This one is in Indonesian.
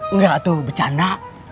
enggak tuh bercanda